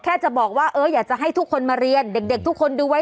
แค่จะบอกว่าเอออยากจะให้ทุกคนมาเรียนเด็กทุกคนดูไว้